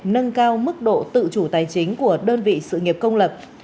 nâng cao mức độ tự chủ tài chính của đơn vị sự nghiệp công lập